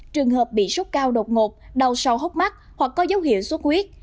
trường hợp bị sốt cao đột ngột đau sâu hốc mắt hoặc có dấu hiệu xuất huyết